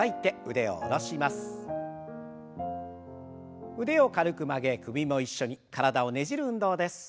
腕を軽く曲げ首も一緒に体をねじる運動です。